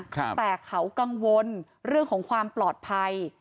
แต่เขากังวลเรื่องของความปลอดภัย